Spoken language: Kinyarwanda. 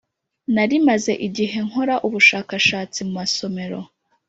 Nari maze igihe nkora ubushakashatsi mu masomero